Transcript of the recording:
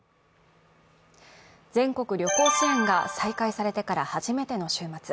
全国旅行支援が再開されてから初めての週末。